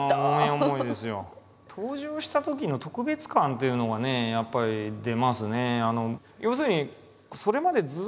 登場したときの特別感というのがねやっぱり出ますね。